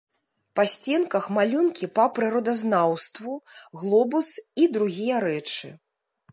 Па сценках малюнкі па прыродазнаўству, глобус і другія рэчы.